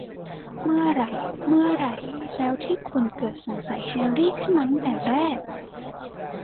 เมื่อไหร่ เมื่อไหร่แล้วที่คุณเกิดสงสัยแฮรรี่ขึ้นมาตั้งแต่แรก ?